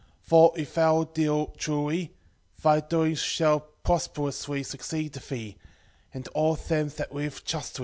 4:6 For if thou deal truly, thy doings shall prosperously succeed to thee, and to all them that live justly.